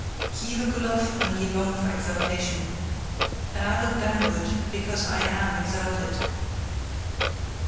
"Ye look aloft when ye long for exaltation, and I look downward because I am exalted.